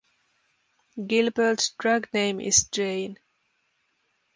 Gilbert's drag name is Jane.